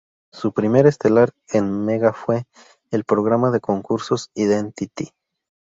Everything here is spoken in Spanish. Su primer estelar en Mega fue el programa de concursos "Identity".